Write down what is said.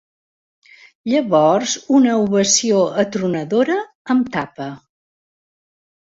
Llavors una ovació atronadora em tapa.